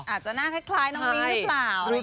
อาจจะหน้าคล้ายน้องมิ้งหรือเปล่า